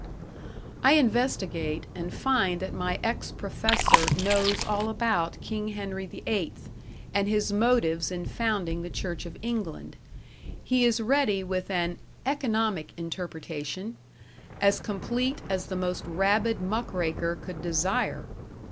I investigate, and find that my ex professor knows all about King Henry the Eighth, and his motives in founding the Church of England; he is ready with an "economic interpretation", as complete as the most rabid muckraker could desire!